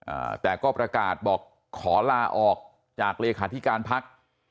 เอ่อแต่ก็ประกาศบอกขอล่าออกจากหลคลขาที่การพัก